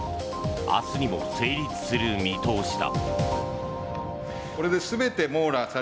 明日にも成立する見通しだ。